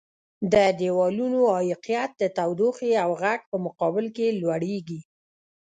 د دیوالونو عایقیت د تودوخې او غږ په مقابل کې لوړیږي.